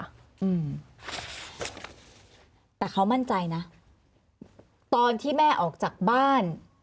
อืมแต่เขามั่นใจนะตอนที่แม่ออกจากบ้าน